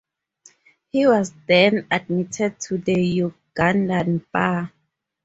He was then admitted to the Ugandan Bar.